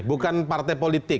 bukan partai politik